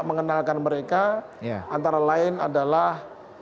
mengenalkan mereka antara lain adalah